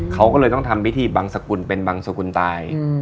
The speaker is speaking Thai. เขาก็เลยต้องทำทางถึงคนสกุลสกุลตาย